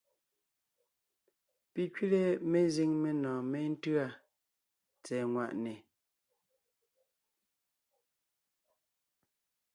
Pi kẅile mezíŋ menɔ̀ɔn méntʉ́a tsɛ̀ɛ ŋwàʼne.